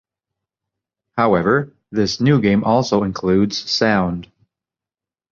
However, this new game also includes sound.